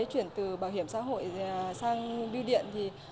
chuyển từ bảo hiểm xã hội sang bưu điện